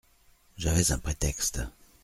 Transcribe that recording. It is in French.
J’avais un prétexte.